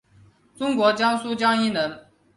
中国江苏江阴人。